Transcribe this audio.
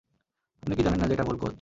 আপনি কি জানেন না যে এটা ভূল, কোচ?